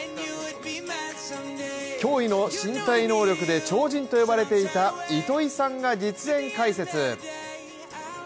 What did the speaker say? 驚異の身体能力で超人と呼ばれていた糸井さんが実演解説。